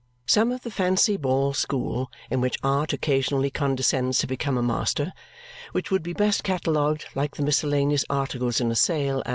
Some of the Fancy Ball School in which art occasionally condescends to become a master, which would be best catalogued like the miscellaneous articles in a sale.